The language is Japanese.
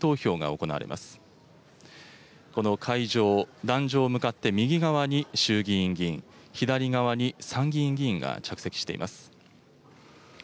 この会場、壇上向かって右側に衆議院議員、左側に参議院議員が着席しています。